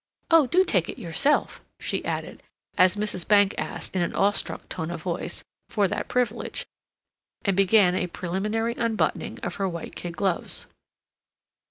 Oh, do take it yourself," she added, as Mrs. Bankes asked, in an awestruck tone of voice, for that privilege, and began a preliminary unbuttoning of her white kid gloves.